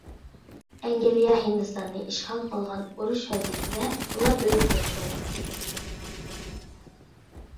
ئەنگلىيە ھىندىستاننى ئىشغال قىلغان ئۇرۇش ۋەزىيىتىدە ئۇلار ئۆلۈپ كەتكەن.